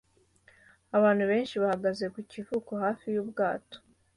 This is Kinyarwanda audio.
Abantu benshi bahagaze ku kivuko hafi y'ubwato